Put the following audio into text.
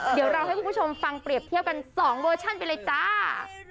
เดี๋ยวเราให้คุณผู้ชมฟังเปรียบเทียบกัน๒เวอร์ชั่นไปเลยจ้า